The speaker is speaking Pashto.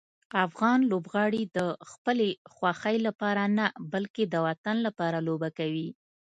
افغان لوبغاړي د خپلې خوښۍ لپاره نه، بلکې د وطن لپاره لوبه کوي.